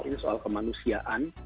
ini soal kemanusiaan